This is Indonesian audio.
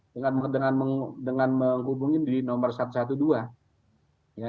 dengan menghubungi di nomor satu ratus dua belas ya